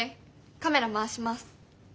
カメラ回します。